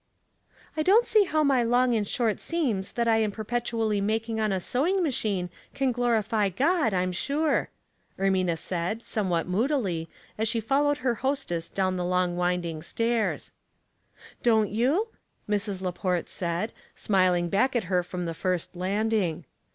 "" I don't see how my long and short seams that I am perpetually making on a sewing ma chine can glorify God, I'm sure," Ermina said, somewhat moodily, as she followed her hostesa down the long winding stairs. *' Don't you ?" Mrs. Laport said, smiling back at her from the first landing.